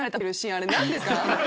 あれ何ですか？